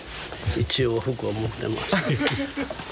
一応服は持ってます。